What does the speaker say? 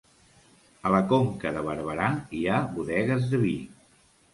A la Conca de Barberà hi ha bodegues de vi